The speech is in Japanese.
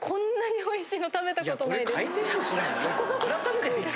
おいしい！